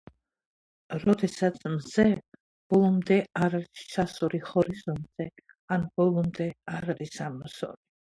როდესაც მზე ბოლომდე არ არის ჩასული ჰორიზონტზე ან ბოლომდე არ არის ამოსული.